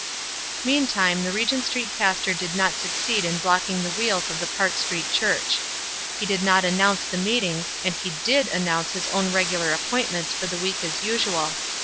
Meantime the Regent Street pastor did hot succeed in blocking the wheels of the Park Street Church. He did not announce the meet ings, and he did announce his own regular ap pointments for the week as usual.